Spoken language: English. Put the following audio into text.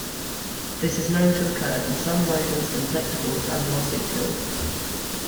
This is known to occur in some rodents, insectivores and marsupials.